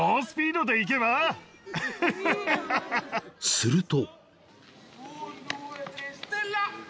［すると］